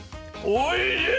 おいしい。